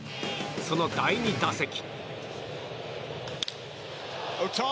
その第２打席。